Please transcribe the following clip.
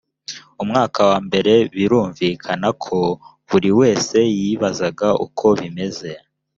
umwaka wa mbere birumvikana ko buri wese yibazaga uko bimeze